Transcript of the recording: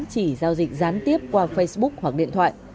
chỉ giao dịch gián tiếp qua facebook hoặc điện thoại